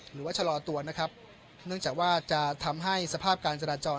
หรือว่าชะลอตัวนะครับเนื่องจากว่าจะทำให้สภาพการจราจร